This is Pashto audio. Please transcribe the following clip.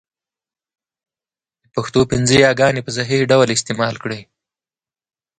د پښتو پنځه یاګاني ی، ي، ې، ۍ، ئ په صحيح ډول استعمال کړئ!